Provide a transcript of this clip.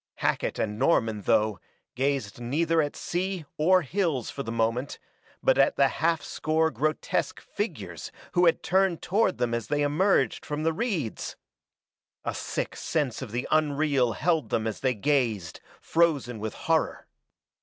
Hackett and Norman, though, gazed neither at sea or hills for the moment, but at the half score grotesque figures who had turned toward them as they emerged from the reeds. A sick sense of the unreal held them as they gazed, frozen with horror.